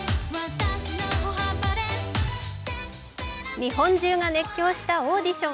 日本中が熱狂したオーディション。